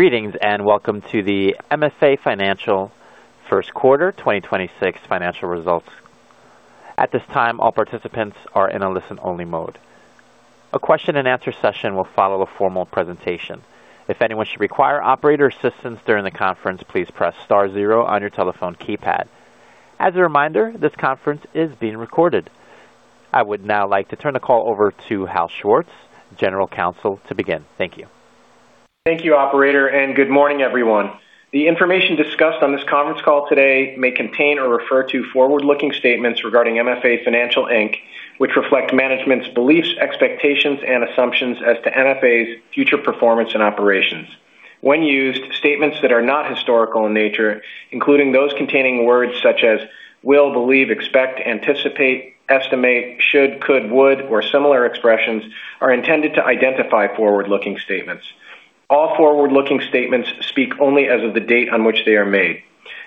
Greetings, and welcome to the MFA Financial Q1 2026 financial results. At this time all participants are in a listen-only mode. A question-and-answer session will follow for more presentation. If anyone should require operator assistance during the conference please press star zero on the telephone keypad. As a reminder, this conference is being recorded. I would now like to turn the call over to Hal Schwartz, General Counsel, to begin. Thank you. Thank you, operator, and good morning, everyone. The information discussed on this conference call today may contain or refer to forward-looking statements regarding MFA Financial, Inc., which reflect management's beliefs, expectations, and assumptions as to MFA's future performance and operations. When used, statements that are not historical in nature, including those containing words such as will, believe, expect, anticipate, estimate, should, could, would, or similar expressions, are intended to identify forward-looking statements. All forward-looking statements speak only as of the date on which they are made.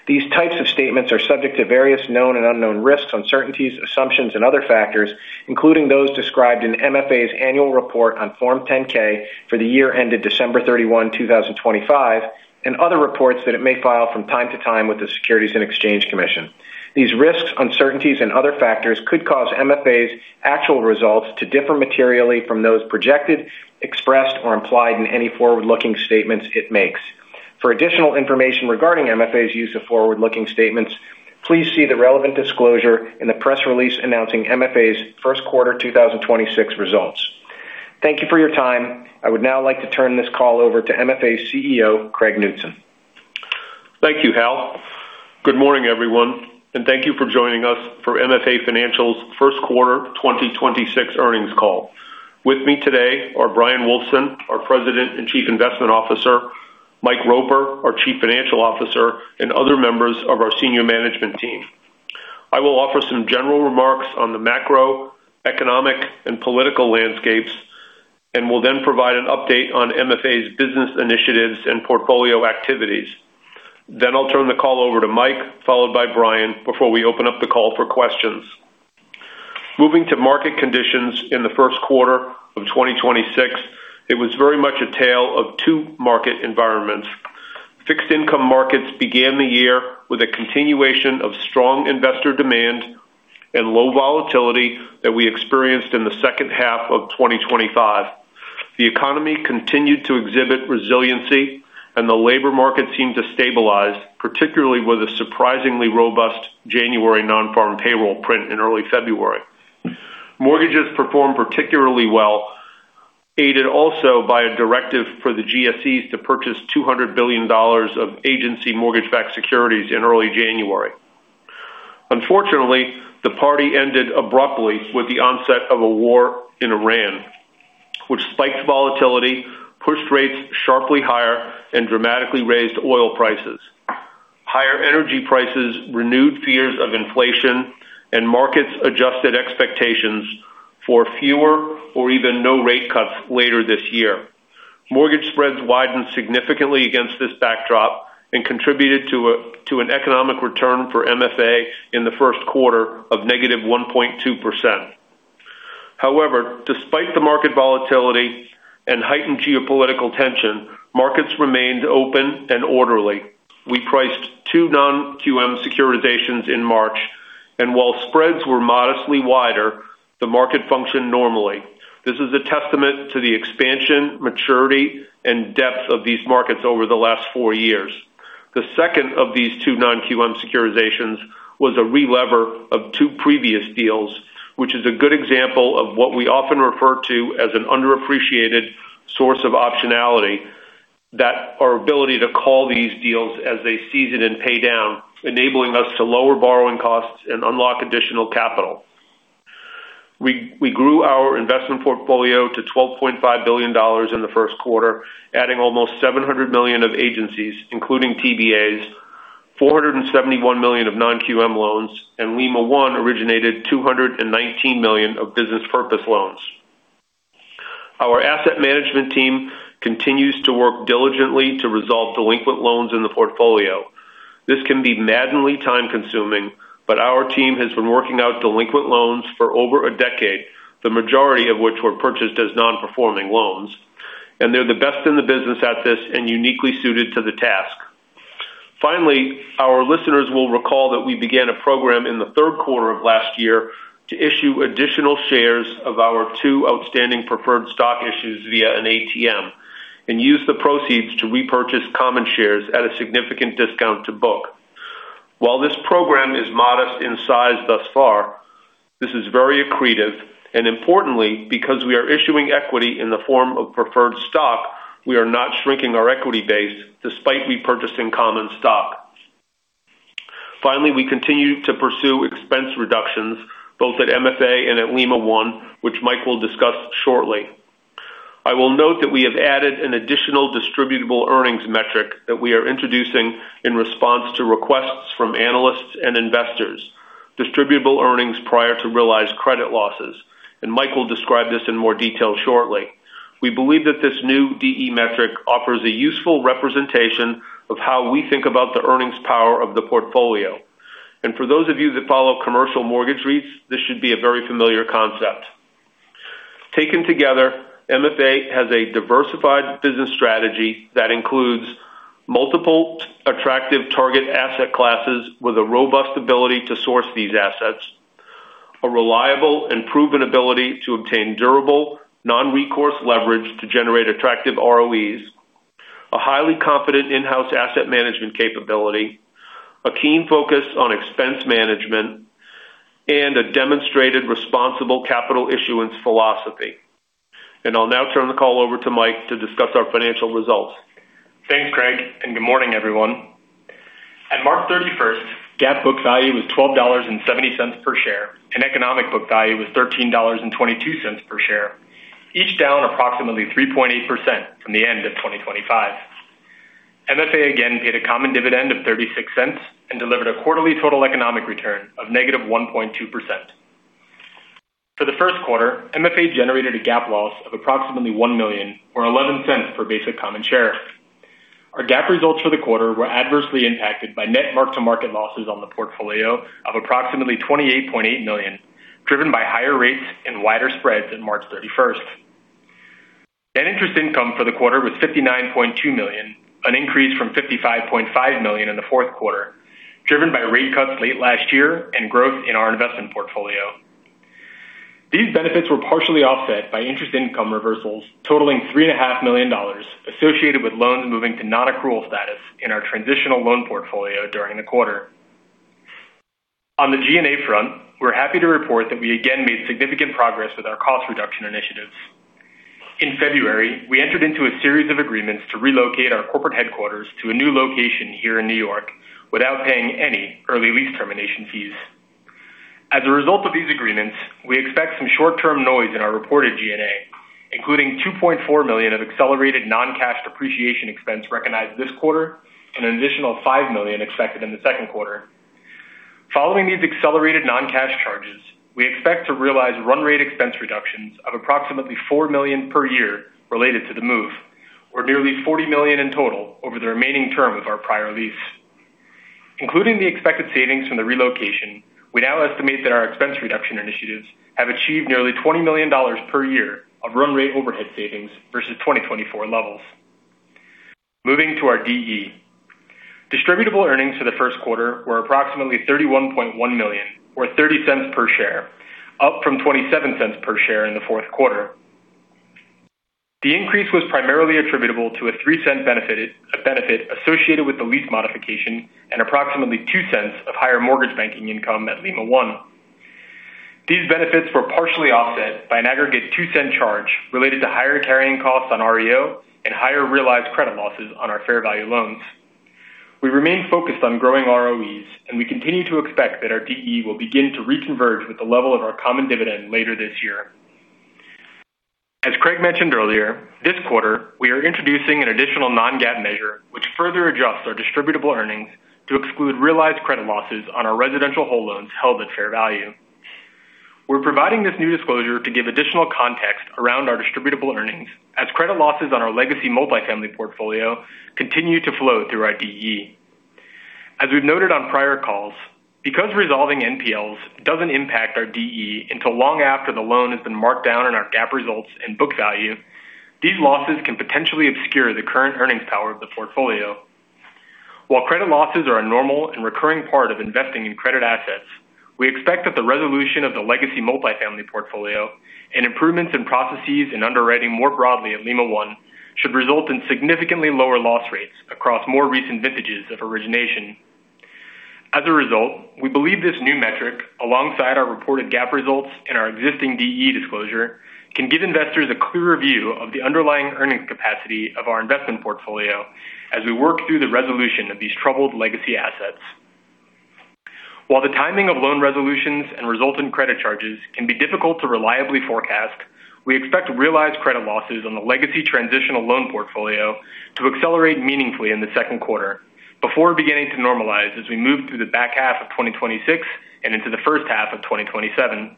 These types of statements are subject to various known and unknown risks, uncertainties, assumptions, and other factors, including those described in MFA's annual report on Form 10-K for the year ended December 31, 2025, and other reports that it may file from time to time with the Securities and Exchange Commission. These risks, uncertainties, and other factors could cause MFA's actual results to differ materially from those projected, expressed, or implied in any forward-looking statements it makes. For additional information regarding MFA's use of forward-looking statements, please see the relevant disclosure in the press release announcing MFA's Q1 2026 results. Thank you for your time. I would now like to turn this call over to MFA's CEO, Craig Knutson. Thank you, Hal. Good morning, everyone, and thank you for joining us for MFA Financial's Q1 2026 earnings call. With me today are Bryan Wulfsohn, our President and Chief Investment Officer, Michael Roper, our Chief Financial Officer, and other members of our senior management team. I will offer some general remarks on the macroeconomic and political landscapes and will then provide an update on MFA's business initiatives and portfolio activities. I'll turn the call over to Michael, followed by Bryan, before we open up the call for questions. Moving to market conditions in the Q1 of 2026, it was very much a tale of two market environments. Fixed income markets began the year with a continuation of strong investor demand and low volatility that we experienced in the H2 of 2025. The economy continued to exhibit resiliency, and the labor market seemed to stabilize, particularly with a surprisingly robust January non-farm payroll print in early February. Mortgages performed particularly well, aided also by a directive for the GSEs to purchase $200 billion of agency mortgage-backed securities in early January. Unfortunately, the party ended abruptly with the onset of a war in Iran, which spiked volatility, pushed rates sharply higher, and dramatically raised oil prices. Higher energy prices renewed fears of inflation, and markets adjusted expectations for fewer or even no rate cuts later this year. Mortgage spreads widened significantly against this backdrop and contributed to an economic return for MFA in the Q1 of negative 1.2%. However, despite the market volatility and heightened geopolitical tension, markets remained open and orderly. We priced two non-QM securitizations in March, and while spreads were modestly wider, the market functioned normally. This is a testament to the expansion, maturity, and depth of these markets over the last four years. The second of these two non-QM securitizations was a relever of two previous deals, which is a good example of what we often refer to as an underappreciated source of optionality that our ability to call these deals as they season and pay down, enabling us to lower borrowing costs and unlock additional capital. We grew our investment portfolio to $12.5 billion in the Q1, adding almost $700 million of agencies, including TBAs, $471 million of non-QM loans, and Lima One originated $219 million of business purpose loans. Our asset management team continues to work diligently to resolve delinquent loans in the portfolio. This can be maddeningly time-consuming, but our team has been working out delinquent loans for over a decade, the majority of which were purchased as non-performing loans, and they're the best in the business at this and uniquely suited to the task. Finally, our listeners will recall that we began a program in the Q3 of last year to issue additional shares of our two outstanding preferred stock issues via an ATM and use the proceeds to repurchase common shares at a significant discount to book. While this program is modest in size thus far, this is very accretive, and importantly, because we are issuing equity in the form of preferred stock, we are not shrinking our equity base despite repurchasing common stock. Finally, we continue to pursue expense reductions both at MFA and at Lima One, which Mike will discuss shortly. I will note that we have added an additional distributable earnings metric that we are introducing in response to requests from analysts and investors, distributable earnings prior to realized credit losses, and Mike will describe this in more detail shortly. We believe that this new DE metric offers a useful representation of how we think about the earnings power of the portfolio. For those of you that follow commercial mortgage REITs, this should be a very familiar concept. Taken together, MFA has a diversified business strategy that includes multiple attractive target asset classes with a robust ability to source these assets, a reliable and proven ability to obtain durable non-recourse leverage to generate attractive ROEs, a highly confident in-house asset management capability, a keen focus on expense management, and a demonstrated responsible capital issuance philosophy. I'll now turn the call over to Mike to discuss our financial results. Thanks, Craig. Good morning, everyone. At March 31st, GAAP book value was $12.70 per share, and economic book value was $13.22 per share, each down approximately 3.8% from the end of 2025. MFA again paid a common dividend of $0.36 and delivered a quarterly total economic return of negative 1.2%. For the Q1, MFA generated a GAAP loss of approximately $1 million or $0.11 per basic common share. Our GAAP results for the quarter were adversely impacted by net mark-to-market losses on the portfolio of approximately $28.8 million, driven by higher rates and wider spreads than March 31st. Net interest income for the quarter was $59.2 million, an increase from $55.5 million in the Q4, driven by rate cuts late last year and growth in our investment portfolio. These benefits were partially offset by interest income reversals totaling $3,500,000 associated with loans moving to non-accrual status in our transitional loan portfolio during the quarter. On the G&A front, we're happy to report that we again made significant progress with our cost reduction initiatives. In February, we entered into a series of agreements to relocate our corporate headquarters to a new location here in New York without paying any early lease termination fees. As a result of these agreements, we expect some short-term noise in our reported G&A, including $2.4 million of accelerated non-cash depreciation expense recognized this quarter and an additional $5 million expected in the Q2. Following these accelerated non-cash charges, we expect to realize run rate expense reductions of approximately $4 million per year related to the move or nearly $40 million in total over the remaining term of our prior lease. Including the expected savings from the relocation, we now estimate that our expense reduction initiatives have achieved nearly $20 million per year of run rate overhead savings versus 2024 levels. Moving to our DE. Distributable earnings for the Q1 were approximately $31.1 million or $0.30 per share, up from $0.27 per share in the Q4. The increase was primarily attributable to a $0.03 benefit associated with the lease modification and approximately $0.02 of higher mortgage banking income at Lima One. These benefits were partially offset by an aggregate $0.02 charge related to higher carrying costs on REO and higher realized credit losses on our fair value loans. We remain focused on growing ROEs, and we continue to expect that our DE will begin to reconverge with the level of our common dividend later this year. As Craig mentioned earlier, this quarter, we are introducing an additional non-GAAP measure which further adjusts our distributable earnings to exclude realized credit losses on our residential whole loans held at fair value. We are providing this new disclosure to give additional context around our distributable earnings as credit losses on our legacy multifamily portfolio continue to flow through our DE. As we've noted on prior calls, because resolving NPLs doesn't impact our DE until long after the loan has been marked down in our GAAP results and book value, these losses can potentially obscure the current earnings power of the portfolio. While credit losses are a normal and recurring part of investing in credit assets, we expect that the resolution of the legacy multifamily portfolio and improvements in processes and underwriting more broadly at Lima One should result in significantly lower loss rates across more recent vintages of origination. As a result, we believe this new metric, alongside our reported GAAP results and our existing DE disclosure, can give investors a clearer view of the underlying earning capacity of our investment portfolio as we work through the resolution of these troubled legacy assets. While the timing of loan resolutions and resultant credit charges can be difficult to reliably forecast, we expect to realize credit losses on the legacy transitional loan portfolio to accelerate meaningfully in the Q2 before beginning to normalize as we move through the back half of 2026 and into the H1 of 2027.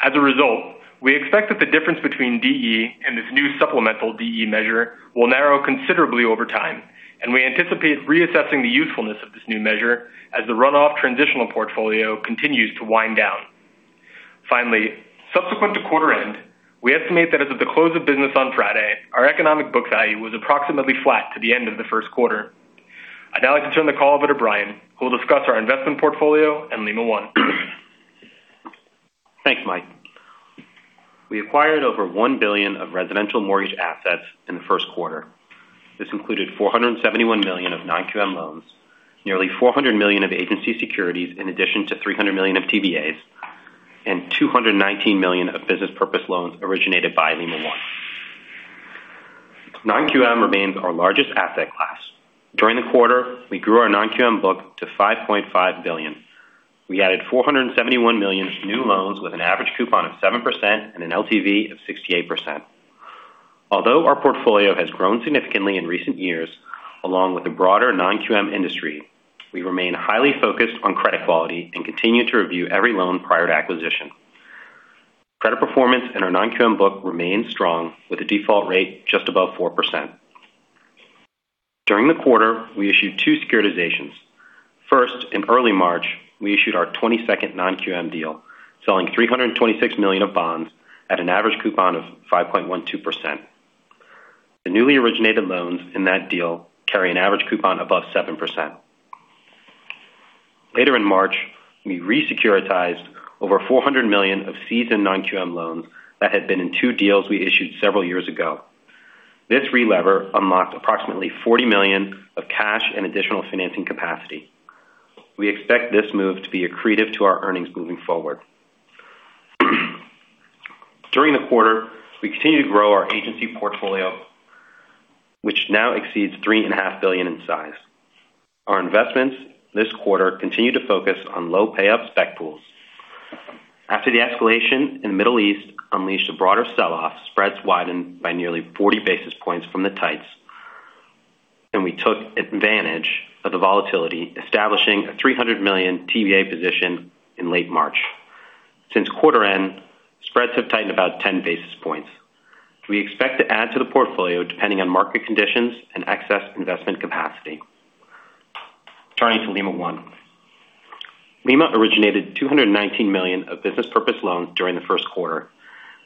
As a result, we expect that the difference between DE and this new supplemental DE measure will narrow considerably over time, and we anticipate reassessing the usefulness of this new measure as the runoff transitional portfolio continues to wind down. Finally, subsequent to quarter end, we estimate that as of the close of business on Friday, our economic book value was approximately flat to the end of the Q1. I'd now like to turn the call over to Bryan, who will discuss our investment portfolio and Lima One. Thanks, Mike. We acquired over $1 billion of residential mortgage assets in the Q1. This included $471 million of non-QM loans, nearly $400 million of agency securities in addition to $300 million of TBAs, and $219 million of business purpose loans originated by Lima One. Non-QM remains our largest asset class. During the quarter, we grew our non-QM book to $5.5 billion. We added $471 million new loans with an average coupon of 7% and an LTV of 68%. Although our portfolio has grown significantly in recent years, along with the broader non-QM industry, we remain highly focused on credit quality and continue to review every loan prior to acquisition. Credit performance in our non-QM book remains strong with a default rate just above 4%. During the quarter, we issued two securitizations. First, in early March, we issued our 22nd non-QM deal, selling $326 million of bonds at an average coupon of 5.12%. The newly originated loans in that deal carry an average coupon above 7%. Later in March, we re-securitized over $400 million of seasoned non-QM loans that had been in two deals we issued several years ago. This relever unlocked approximately $40 million of cash and additional financing capacity. We expect this move to be accretive to our earnings moving forward. During the quarter, we continued to grow our agency portfolio, which now exceeds $3.5 billion in size. Our investments this quarter continue to focus on low pay-up spec pools. After the escalation in the Middle East unleashed a broader sell-off, spreads widened by nearly 40 basis points from the tights. We took advantage of the volatility, establishing a $300 million TBA position in late March. Since quarter end, spreads have tightened about 10 basis points. We expect to add to the portfolio depending on market conditions and excess investment capacity. Turning to Lima One. Lima originated $219 million of business purpose loans during the Q1.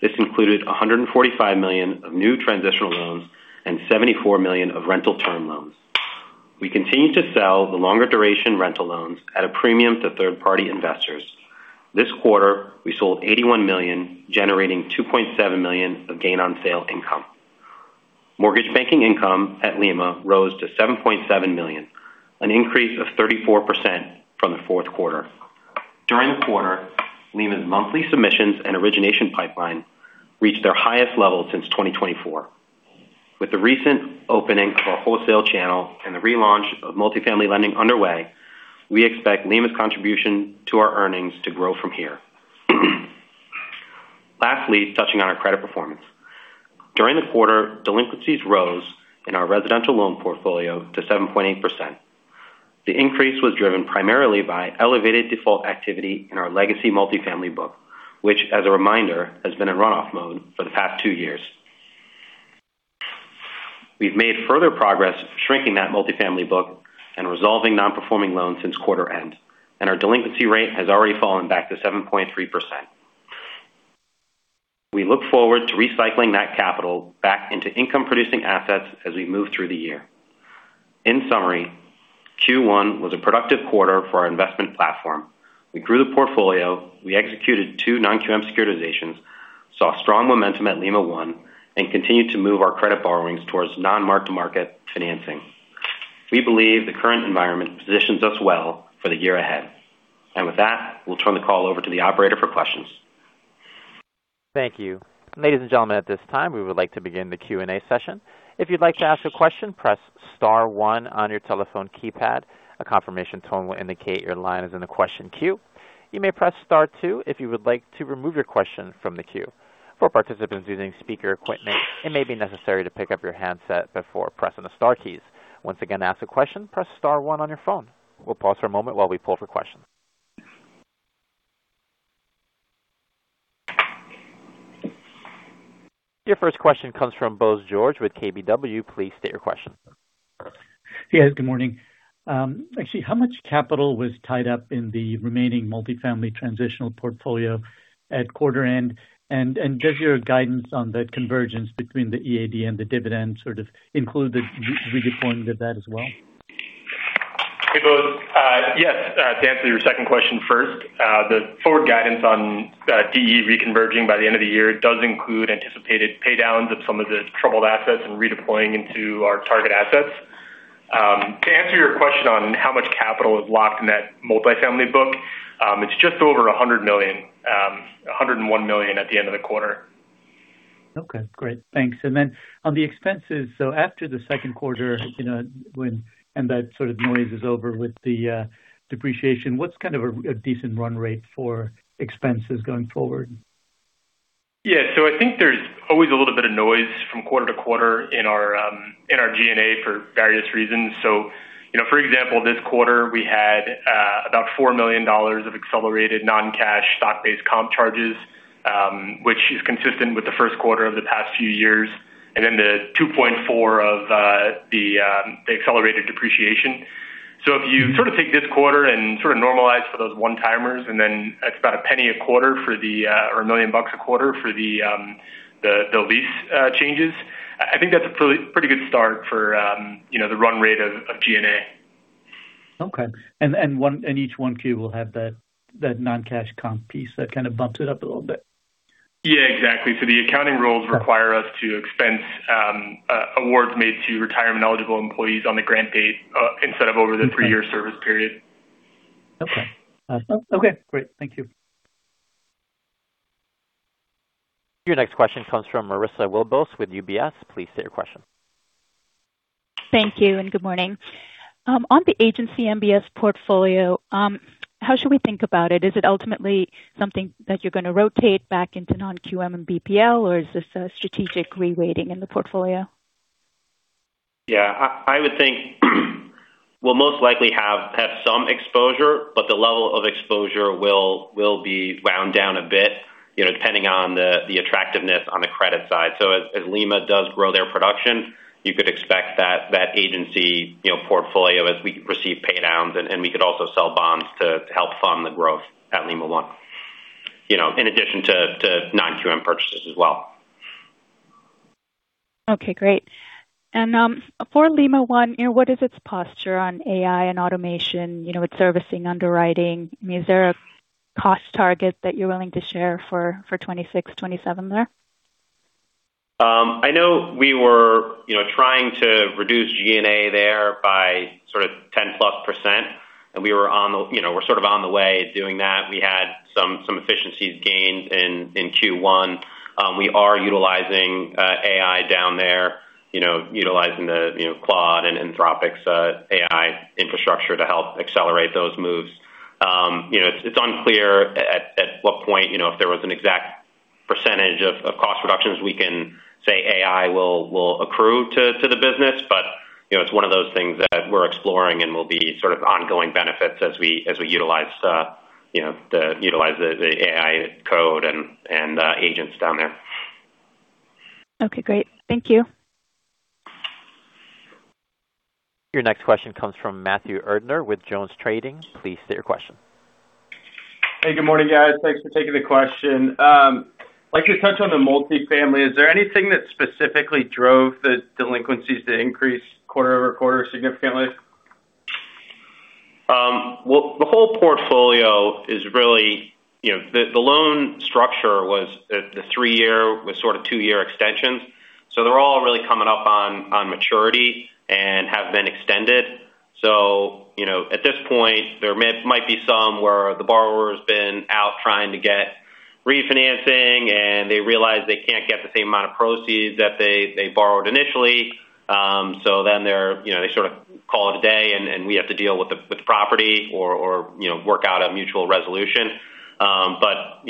This included $145 million of new transitional loans and $74 million of rental term loans. We continue to sell the longer duration rental loans at a premium to third-party investors. This quarter, we sold $81 million, generating $2.7 million of gain on sale income. Mortgage banking income at Lima rose to $7.7 million, an increase of 34% from the Q4. During the quarter, Lima's monthly submissions and origination pipeline reached their highest level since 2024. With the recent opening of our wholesale channel and the relaunch of multifamily lending underway, we expect Lima's contribution to our earnings to grow from here. Lastly, touching on our credit performance. During the quarter, delinquencies rose in our residential loan portfolio to 7.8%. The increase was driven primarily by elevated default activity in our legacy multifamily book, which, as a reminder, has been in runoff mode for the past two years. We've made further progress shrinking that multifamily book and resolving non-performing loans since quarter end, our delinquency rate has already fallen back to 7.3%. We look forward to recycling that capital back into income-producing assets as we move through the year. In summary, Q1 was a productive quarter for our investment platform. We grew the portfolio, we executed two non-QM securitizations, saw strong momentum at Lima One, and continued to move our credit borrowings towards non-mark-to-market financing. We believe the current environment positions us well for the year ahead. With that, we'll turn the call over to the operator for questions. Thank you. Ladies and gentlemen, at this time, we would like to begin the Q&A session. If you'd like to ask a question, press star one on your telephone keypad. A confirmation tone will indicate your line is in the question queue. You may press star two if you would like to remove your question from the queue. For participants using speaker equipment, it may be necessary to pick up your handset before pressing the star keys. Once again, to ask a question, press star one on your phone. We'll pause for a moment while we pull for questions. Your first question comes from Bose George with KBW. Please state your question. Yes, good morning. actually, how much capital was tied up in the remaining multifamily transitional portfolio at quarter end? Does your guidance on the convergence between the EAD and the dividend sort of include the redeployment of that as well? Hey, Bose. Yes, to answer your second question first, the forward guidance on DE reconverging by the end of the year does include anticipated pay downs of some of the troubled assets and redeploying into our target assets. To answer your question on how much capital is locked in that multifamily book, it's just over $100 million, $101 million at the end of the quarter. Okay, great. Thanks. On the expenses, after the Q2, you know, and that sort of noise is over with the depreciation, what's kind of a decent run rate for expenses going forward? I think there's always a little bit of noise from quarter-to-quarter in our G&A for various reasons. You know, for example, this quarter we had about $4 million of accelerated non-cash stock-based comp charges, which is consistent with the Q1 of the past few years, and then the 2.4 of the accelerated depreciation. If you sort of take this quarter and sort of normalize for those one-timers, then that's about $0.01 a quarter for the or $1 million a quarter for the the lease changes, I think that's a pretty good start for you know, the run rate of G&A. Okay. Each 1Q will have that non-cash comp piece that kind of bumps it up a little bit. Yeah, exactly. The accounting rules require us to expense awards made to retirement-eligible employees on the grant date, instead of over the three-year service period. Okay. Awesome. Okay, great. Thank you. Your next question comes from Marissa Wilbos with UBS. Please state your question. Thank you, and good morning. On the Agency MBS portfolio, how should we think about it? Is it ultimately something that you're gonna rotate back into non-QM and BPL, or is this a strategic re-weighting in the portfolio? Yeah. I would think we'll most likely have some exposure, but the level of exposure will be wound down a bit, you know, depending on the attractiveness on the credit side. As Lima does grow their production, you could expect that that agency, you know, portfolio as we receive pay downs, and we could also sell bonds to help fund the growth at Lima One, you know, in addition to non-QM purchases as well. Okay, great. For Lima One, you know, what is its posture on AI and automation? You know, it's servicing, underwriting. I mean, is there a cost target that you're willing to share for 2026, 2027 there? I know we were, you know, trying to reduce G&A there by sort of 10+%. You know, we're sort of on the way doing that. We had some efficiencies gained in Q1. We are utilizing AI down there, you know, utilizing the, you know, Claude and Anthropic's AI infrastructure to help accelerate those moves. You know, it's unclear at what point, you know, if there was an exact percentage of cost reductions we can say AI will accrue to the business. You know, it's one of those things that we're exploring and will be sort of ongoing benefits as we utilize, you know, utilize the AI code and agents down there. Okay, great. Thank you. Your next question comes from Matthew Erdner with JonesTrading. Please state your question. Hey, good morning, guys. Thanks for taking the question. Like you touched on the multifamily, is there anything that specifically drove the delinquencies to increase quarter-over-quarter significantly? Well, the whole portfolio is really, you know, the loan structure was the three year with sort of two year extensions. They're all really coming up on maturity and have been extended. You know, at this point, there might be some where the borrower's been out trying to get refinancing and they realize they can't get the same amount of proceeds that they borrowed initially. They're, you know, they sort of call it a day and we have to deal with the property or, you know, work out a mutual resolution. You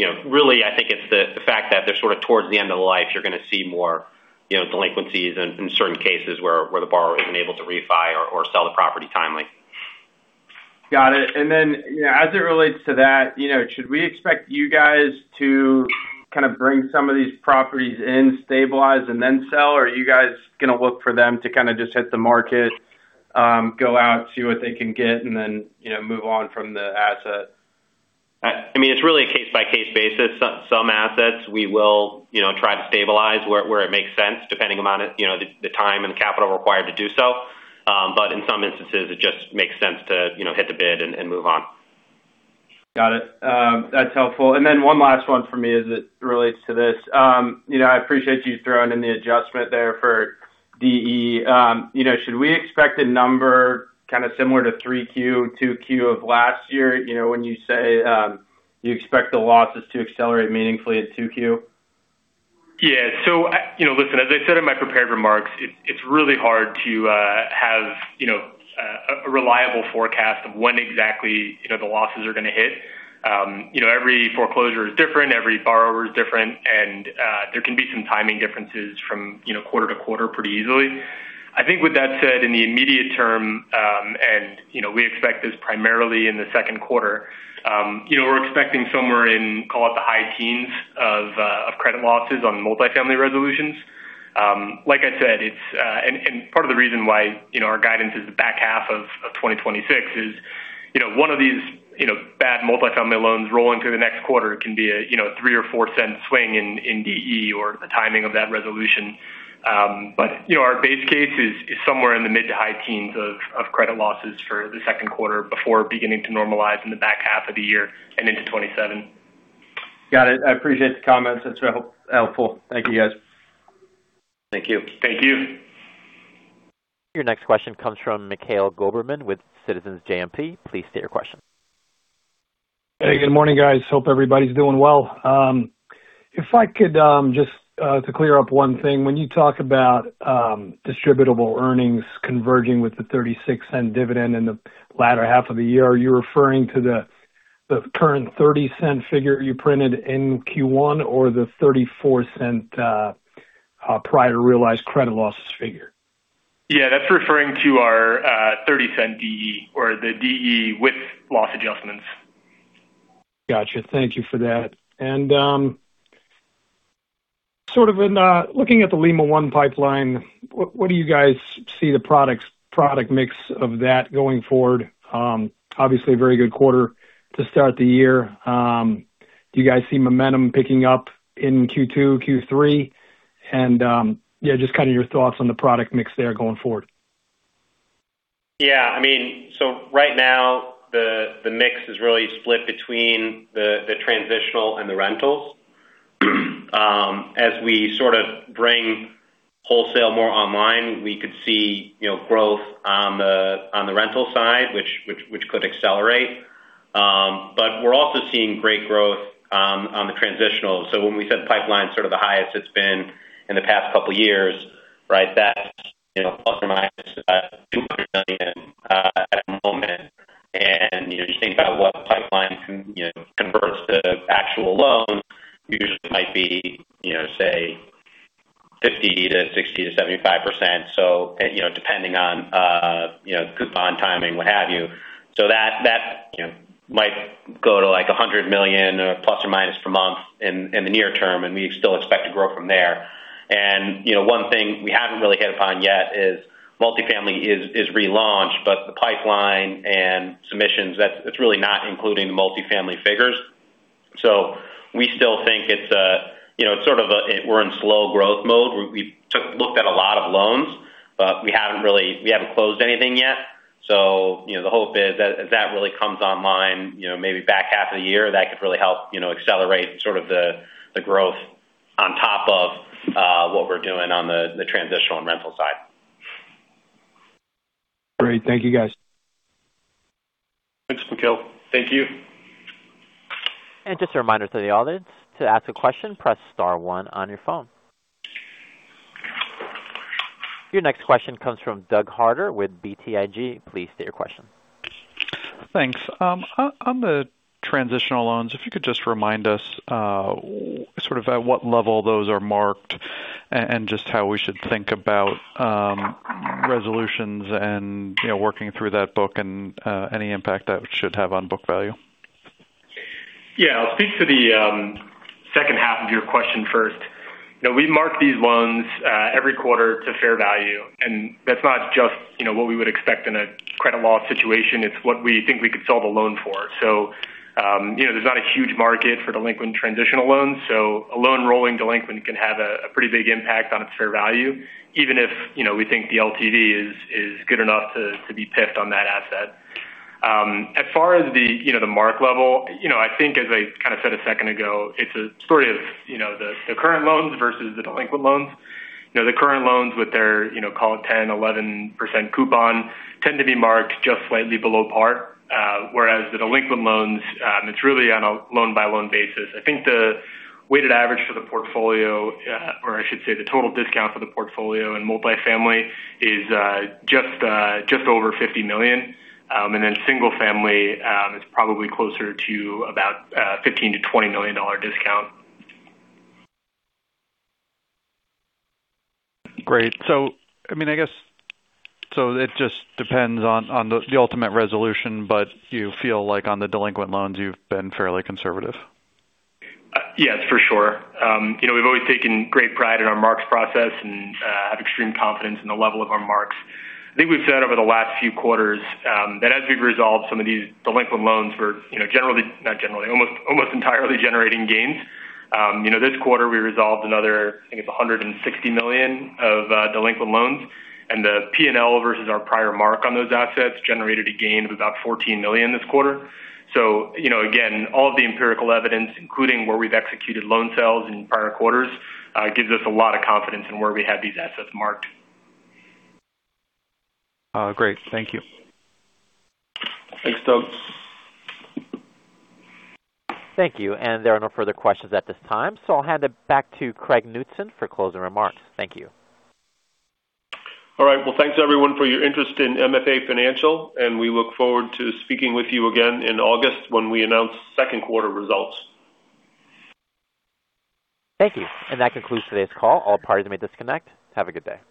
know, really, I think it's the fact that they're sort of towards the end of the life, you're gonna see more, you know, delinquencies in certain cases where the borrower isn't able to refi or sell the property timely. Got it. You know, as it relates to that, you know, should we expect you guys to kind of bring some of these properties in, stabilize and then sell? Are you guys going to look for them to kind of just hit the market, go out, see what they can get and then, you know, move on from the asset? I mean, it's really a case-by-case basis. Some assets we will, you know, try to stabilize where it makes sense, depending upon, you know, the time and capital required to do so. In some instances it just makes sense to, you know, hit the bid and move on. Got it. That's helpful. One last one for me as it relates to this. You know, I appreciate you throwing in the adjustment there for DE. You know, should we expect a number kind of similar to 3Q, 2Q of last year, you know, when you say, you expect the losses to accelerate meaningfully at 2Q? Yeah. you know, listen, as I said in my prepared remarks, it's really hard to have, you know, a reliable forecast of when exactly, you know, the losses are gonna hit. you know, every foreclosure is different, every borrower is different, and there can be some timing differences from, you know, quarter-to-quarter pretty easily. I think with that said, in the immediate term, and, you know, we expect this primarily in the Q2, you know, we're expecting somewhere in, call it, the high teens of credit losses on multifamily resolutions. Like I said, it's part of the reason why, you know, our guidance is the back half of 2026 is, you know, one of these, you know, bad multifamily loans roll into the next quarter can be a, you know, $0.03 or $0.04 swing in DE or the timing of that resolution. You know, our base case is somewhere in the mid-to-high teens of credit losses for the Q2 before beginning to normalize in the back half of the year and into 2027. Got it. I appreciate the comments. That's helpful. Thank you, guys. Thank you. Thank you. Your next question comes from Mikhail Goberman with Citizens JMP. Please state your question. Hey, good morning, guys. Hope everybody's doing well. If I could, just to clear up one thing. When you talk about distributable earnings converging with the $0.36 dividend in the latter half of the year, are you referring to the current $0.30 figure you printed in Q1 or the $0.34 prior realized credit losses figure? Yeah, that's referring to our $0.30 DE or the DE with loss adjustments. Gotcha. Thank you for that. Sort of in, looking at the Lima One pipeline, what do you guys see the product mix of that going forward? Obviously a very good quarter to start the year. Do you guys see momentum picking up in Q2, Q3? Yeah, just kind of your thoughts on the product mix there going forward. Right now the mix is really split between the transitional and the rentals. As we sort of bring wholesale more online, we could see growth on the rental side, which could accelerate. We're also seeing great growth on the transitional. When we said pipeline's sort of the highest it's been in the past couple years. That's ±$200 million at the moment. If you think about what pipeline can converts to actual loans, usually might be say 50% to 60% to 75%, depending on coupon timing, what have you. That, you know, might go to like $100 million or plus or minus per month in the near term, and we still expect to grow from there. You know, one thing we haven't really hit upon yet is multifamily is relaunched, but the pipeline and submissions, it's really not including the multifamily figures. We still think it's, you know, sort of a, we're in slow growth mode. We looked at a lot of loans, but we haven't closed anything yet. You know, the hope is that as that really comes online, you know, maybe back half of the year, that could really help, you know, accelerate sort of the growth on top of what we're doing on the transitional and rental side. Great. Thank you, guys. Thanks, Mikhail. Thank you. Just a reminder to the audience, to ask a question, press star one on your phone. Your next question comes from Doug Harter with BTIG. Please state your question. Thanks. On the transitional loans, if you could just remind us, sort of at what level those are marked and just how we should think about resolutions and, you know, working through that book and any impact that should have on book value? Yeah. I'll speak to the H2 of your question first. You know, we mark these loans every quarter to fair value, and that's not just, you know, what we would expect in a credit loss situation. It's what we think we could sell the loan for. You know, there's not a huge market for delinquent transitional loans. A loan rolling delinquent can have a pretty big impact on its fair value, even if, you know, we think the LTV is good enough to be PIF'd on that asset. As far as the, you know, the mark level, you know, I think as I kind of said a second ago, it's a story of, you know, the current loans versus the delinquent loans. You know, the current loans with their, you know, call it 10%, 11% coupon tend to be marked just slightly below par, whereas the delinquent loans, it's really on a loan-by-loan basis. I think the weighted average for the portfolio, or I should say, the total discount for the portfolio in multifamily is just over $50 million. Then single family is probably closer to about $15 million-$20 million discount. Great. I mean, I guess, it just depends on the ultimate resolution, but you feel like on the delinquent loans you've been fairly conservative? Yes, for sure. You know, we've always taken great pride in our marks process and have extreme confidence in the level of our marks. I think we've said over the last few quarters, that as we've resolved some of these delinquent loans, we're, you know, almost entirely generating gains. You know, this quarter we resolved another, I think it's a $160 million of delinquent loans. The P&L versus our prior mark on those assets generated a gain of about $14 million this quarter. You know, again, all of the empirical evidence, including where we've executed loan sales in prior quarters, gives us a lot of confidence in where we have these assets marked. Great. Thank you. Thanks, Doug. Thank you. There are no further questions at this time, so I'll hand it back to Craig Knutson for closing remarks. Thank you. All right. Well, thanks everyone for your interest in MFA Financial, and we look forward to speaking with you again in August when we announce Q2 results. Thank you. That concludes today's call. All parties may disconnect. Have a good day.